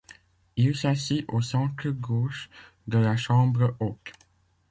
Il s'assit au centre gauche de la Chambre haute.